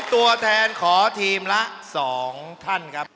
ตัวแทนขอทีมละ๒ท่านครับ